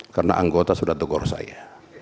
karena anggota sudah tegur saya